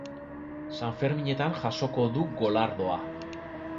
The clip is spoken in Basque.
Sanferminetan jasoko du golardoa.